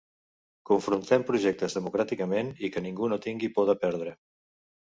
Confrontem projectes, democràticament, i que ningú no tingui por de perdre.